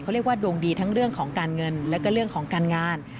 เขาเรียกว่าดวงดีทั้งเรื่องของการเงินแล้วก็เรื่องของการงาน